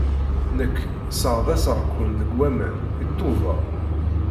Nekk sseɣḍaṣeɣ-ken deg waman, i ttuba.